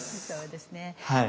そうですね。